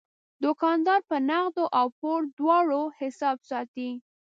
دوکاندار په نغدو او پور دواړو حساب ساتي.